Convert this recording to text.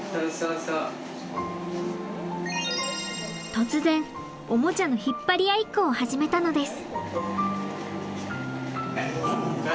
突然オモチャの引っ張り合いっこを始めたのです。